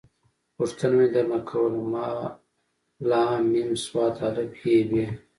پوښتنه مې در نه کوله ما …ل …م ص … ا .. ح… ب.